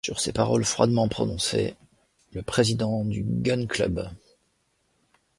Sur ces paroles froidement prononcées, le président du Gun-Club